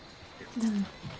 どうも。